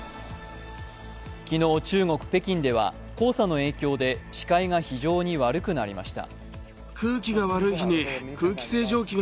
昨日、中国北京では黄砂の影響で視界が非常に悪くなりました。